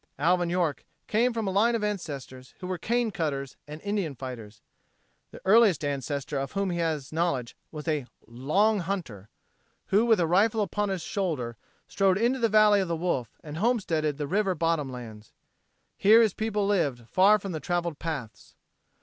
Alvin York came from a line of ancestors who were cane cutters and Indian fighters. The earliest ancestor of whom he has knowledge was a "Long Hunter," who with a rifle upon his shoulder strode into the Valley of the Wolf and homesteaded the river bottom lands. Here his people lived far from the traveled paths.